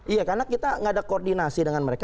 iya karena kita nggak ada koordinasi dengan mereka